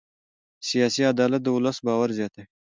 سیاسي عدالت د ولس باور زیاتوي